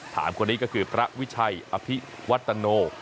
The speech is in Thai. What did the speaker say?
คนนี้ก็คือพระวิชัยอภิวัตโน